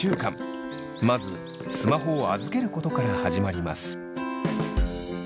まずスマホを預けることから始まります。